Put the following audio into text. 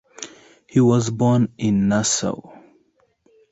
He was born in Nassau.